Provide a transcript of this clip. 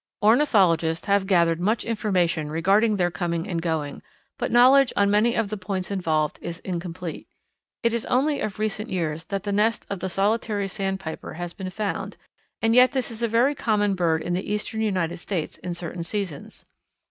Ornithologists have gathered much information regarding their coming and going, but knowledge on many of the points involved is incomplete. It is only of recent years that the nest of the Solitary Sandpiper has been found, and yet this is a very common bird in the eastern United States in certain seasons.